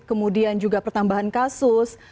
kemudian juga pertambahan kasus